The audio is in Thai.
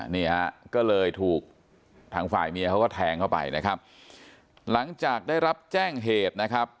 นี่ฮะก็เลยถูกทางฝ่ายเมียเขาก็แทงเข้าไปนะครับหลังจากได้รับแจ้งเหตุนะครับ